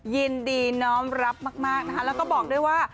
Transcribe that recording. ยินดีน้อมรับมากนะคะแล้วก็บอกด้วยว่า